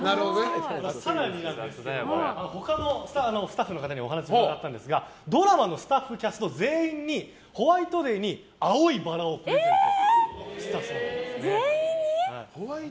他のスタッフの方にお話を伺ったんですがドラマのスタッフ、キャスト全員にホワイトデーに青いバラをプレゼントしたそうです。